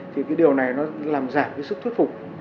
thì điều này nó làm giảm sức thuyết phục